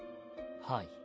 はい。